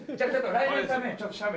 来年のために写メ。